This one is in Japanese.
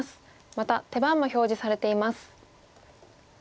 また手番も表示されています。